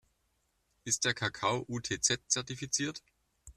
Ist der Kakao UTZ-zertifiziert?